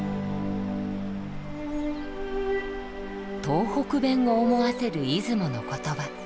東北弁を思わせる出雲の言葉。